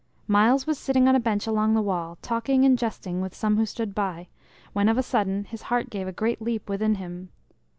Myles was sitting on a bench along the wall, talking and jesting with some who stood by, when of a sudden his heart gave a great leap within him.